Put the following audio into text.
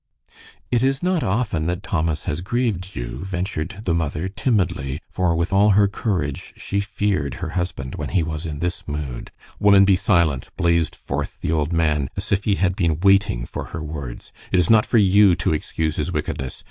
"It is not often that Thomas has grieved you," ventured the mother, timidly, for, with all her courage, she feared her husband when he was in this mood. "Woman, be silent!" blazed forth the old man, as if he had been waiting for her words. "It is not for you to excuse his wickedness.